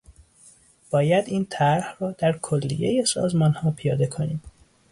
باید این طرح را در کلیهٔ سازمانها پیاده کنیم.